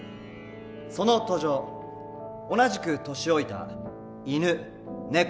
その途上同じく年老いたイヌネコ